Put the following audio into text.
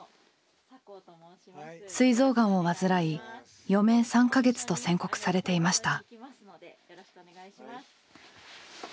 すい臓がんを患い「余命３か月」と宣告されていました。